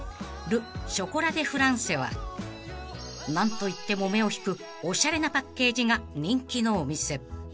［何といっても目を引くおしゃれなパッケージが人気のお店］